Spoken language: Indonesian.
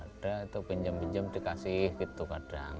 ada itu pinjem pinjem dikasih gitu kadang